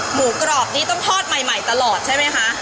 หมูกรอบนี้ต้องทอดใหม่ตลอดใช่ไหมคะ